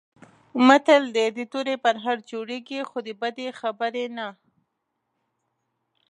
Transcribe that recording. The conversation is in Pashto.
متل دی: د تورې پرهر جوړېږي، خو د بدې خبرې نه.